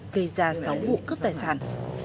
gây ra sáu vụ cướp tài sản